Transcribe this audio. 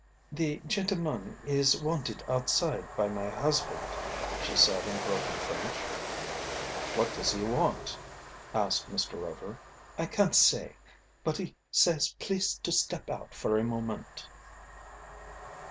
"The gentleman is wanted outside by my husband," she said in broken French. "What does he want?" asked Mr. Rover. "I can't say. But he says please to step out for a moment."